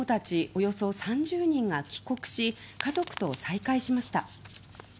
およそ３０人が帰国し家族と再会しました。